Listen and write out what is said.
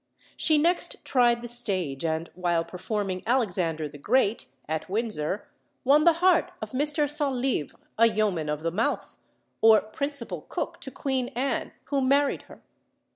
She next tried the stage; and while performing Alexander the Great, at Windsor, won the heart of Mr. Centlivre, "a Yeoman of the Mouth," or principal cook to Queen Anne, who married her.